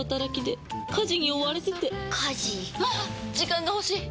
時間が欲しい！